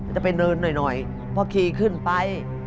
จะไปเดินหน่อยพอขี่ขึ้นไป